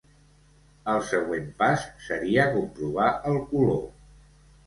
El següent pas seria comprovar el color.